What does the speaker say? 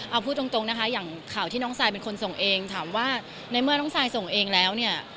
เอาพูดตรงนะคะอย่างข่าวที่น้องซายเป็นคนส่งเองถามว่าในเมื่อน้องซายส่งเองแล้วเนี่ย